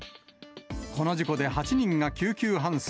この事故で８人が救急搬送。